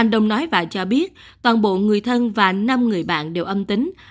anh đồng nói và cho biết toàn bộ người thân và năm người bạn đều âm tính